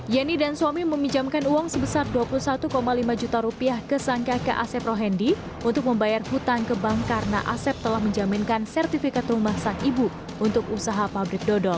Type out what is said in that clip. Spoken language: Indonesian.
yeni dan suami meminjamkan uang sebesar dua puluh satu lima juta rupiah ke sangka ke asep rohendi untuk membayar hutang ke bank karena asep telah menjaminkan sertifikat rumah sang ibu untuk usaha pabrik dodol